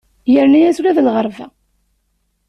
Yerna-as ula d lɣerba.